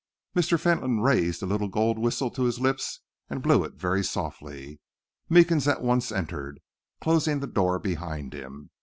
Mr. Fentolin raised the little gold whistle to his lips and blew it very softly. Meekins at once entered, closing the door behind him.